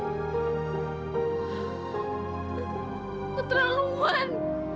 aku terlalu muat